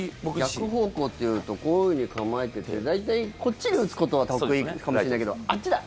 逆方向というとこういうふうに構えてて大体、こっちに打つことは得意かもしれないけどあっちだ。